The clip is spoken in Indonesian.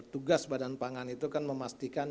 tugas badan pangan itu kan memastikan